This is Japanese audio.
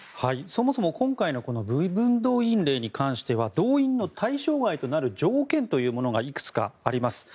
そもそも今回の部分動員令に関しては動員の対象外となる条件というものがいくつかあります。